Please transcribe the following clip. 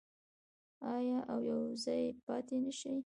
آیا او یوځای پاتې نشي؟